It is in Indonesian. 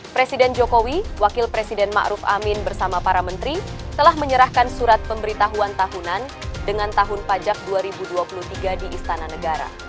presiden jokowi wakil presiden ⁇ maruf ⁇ amin bersama para menteri telah menyerahkan surat pemberitahuan tahunan dengan tahun pajak dua ribu dua puluh tiga di istana negara